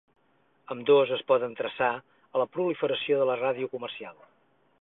Ambdós es poden traçar a la proliferació de la ràdio comercial.